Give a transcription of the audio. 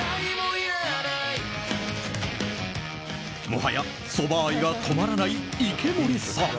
もはやそば愛が止まらない池森さん。